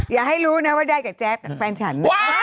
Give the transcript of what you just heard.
อย่าให้รู้นะว่าได้กับแจ๊บชิคกี้พาย